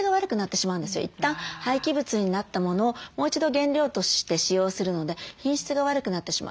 いったん廃棄物になったものをもう一度原料として使用するので品質が悪くなってしまう。